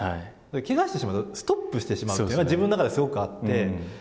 けがしてしまうとストップしてしまうというのが自分の中ですごくあって。